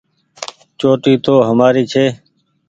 چوٽي تو همآري ڇي ۔